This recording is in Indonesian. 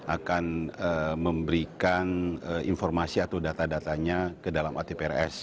akan memberikan informasi atau data datanya ke dalam atprs